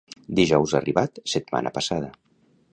Dijous arribat, setmana passada.